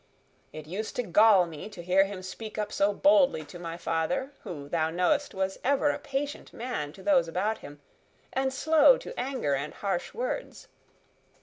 It used to gall me to hear him speak up so boldly to my father, who, thou knowest, was ever a patient man to those about him, and slow to anger and harsh words.